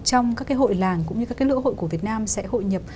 trong các cái hội làng cũng như các cái lễ hội của việt nam sẽ hội nhập